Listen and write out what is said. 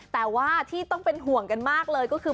แต่ว่าที่ต้องเป็นห่วงกันมากเลยก็คือ